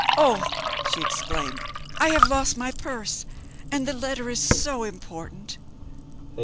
"Oh!" she exclaimed, "I have lost my purse, and the letter is so important!"